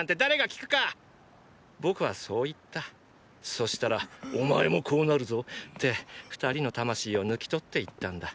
そしたら「お前もこうなるぞ」って二人の魂を抜き取って行ったんだ。